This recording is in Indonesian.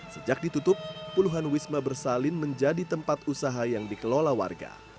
sejak ditutup puluhan wisma bersalin menjadi tempat usaha yang dikelola warga